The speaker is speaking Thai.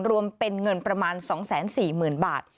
รวมเป็นเงินประมาณ๒๔๐๐๐บาท